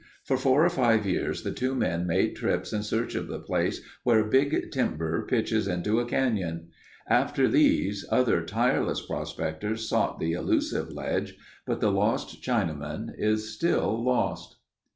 For four or five years the two men made trips in search of the place where Big Timber pitches into a canyon. After these, other tireless prospectors sought the elusive ledge but the Lost Chinaman is still lost.